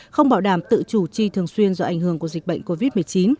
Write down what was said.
không bảo đảm tự chủ chi thường xuyên do ảnh hưởng của dịch bệnh covid một mươi chín